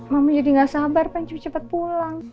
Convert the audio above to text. mama jadi nggak sabar pengen cepet cepet pulang